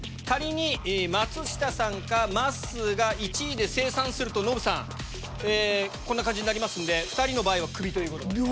仮に松下さんかまっすーが１位で清算するとノブさんこんな感じになりますんで２人の場合はクビということに。